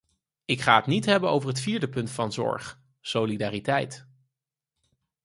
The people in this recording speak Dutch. Ik ga het niet hebben over het vierde punt van zorg, solidariteit.